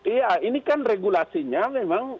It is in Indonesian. iya ini kan regulasinya memang